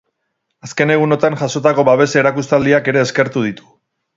Azken egunotan jasotako babes erakustaldiak ere eskertu ditu.